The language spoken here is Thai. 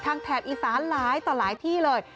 แถบอีสานหลายต่อหลายที่เลย